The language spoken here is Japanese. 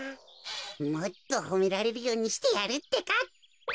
もっとほめられるようにしてやるってか。